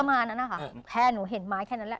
ประมาณนั้นนะคะแค่หนูเห็นไม้แค่นั้นแหละ